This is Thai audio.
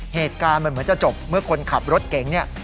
เหตุการณ์มันเหมือนจะจบเมื่อคนขับรถเก๋งเนี่ย